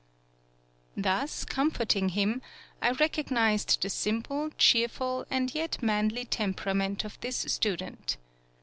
Thus, comforting him, I recognized the simple, cheerful, and yet manly tem perament of this student.